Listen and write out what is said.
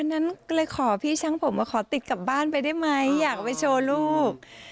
นั้นก็เลยขอพี่ช่างผมว่าขอติดกลับบ้านไปได้ไหมอยากไปโชว์ลูก